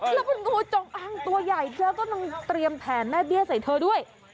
แล้วคุณงูจงอ้างตัวใหญ่เธอกำลังเตรียมแผนแม่เบี้ยใส่เธอด้วย